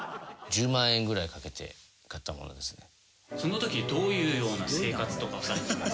１０万円ぐらいかけて買ったものですね。